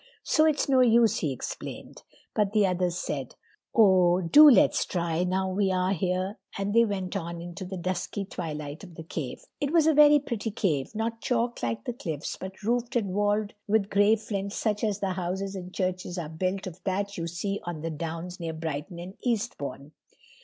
"So it's no use," he explained. But the others said, "Oh, do let's try, now we are here," and they went on into the dusky twilight of the cave. It was a very pretty cave, not chalk, like the cliffs, but roofed and walled with gray flints such as the houses and churches are built of that you see on the downs near Brighton and Eastbourne.